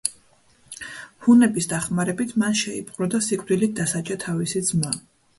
ჰუნების დახმარებით მან შეიპყრო და სიკვდილით დასაჯა თავისი ძმა.